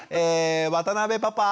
渡邊パパ！